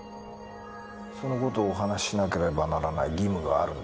その事をお話ししなければならない義務があるんですか？